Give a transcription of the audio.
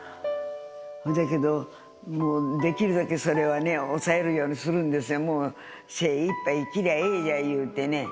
だけど、もうできるだけそれはね、抑えるようにするんですよ、もう、精いっぱい生きりゃええが言うてね。